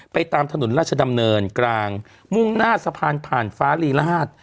ตามถนนราชดำเนินกลางมุ่งหน้าสะพานผ่านฟ้ารีราช